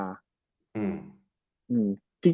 อืม